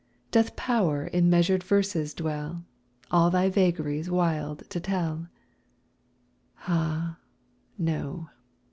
Doth power in measured verses dwell, All thy vagaries wild to tell? Ah, no!